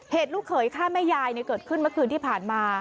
ลูกเขยฆ่าแม่ยายเกิดขึ้นเมื่อคืนที่ผ่านมา